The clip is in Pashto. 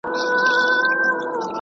زه درسونه اورېدلي دي